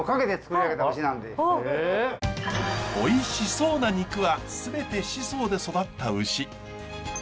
おいしそうな肉は全て宍粟で育った牛。